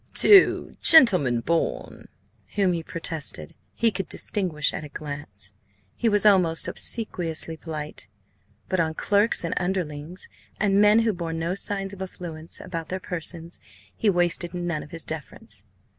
To "gentlemen born," whom, he protested, he could distinguish at a glance, he was almost obsequiously polite, but on clerks and underlings, and men who bore no signs of affluence about their persons, he wasted none of his deference.